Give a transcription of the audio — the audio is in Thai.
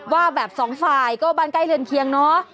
ว่าแบบสองฝ่ายก็บ้านใกล้เรือนเคียงเนาะ